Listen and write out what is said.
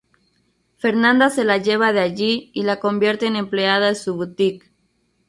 Fernanda se la lleva de allí y la convierte en empleada de su boutique.